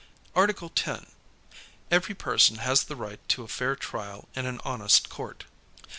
Article 10. Every person has the right to a fair trial in an honest court.